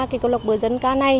cái câu lạc bộ dân ca này